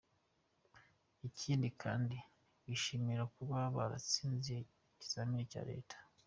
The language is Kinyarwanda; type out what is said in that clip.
Ikindi kandi bishimiye kuba baratsinze ikizamini cya Leta”.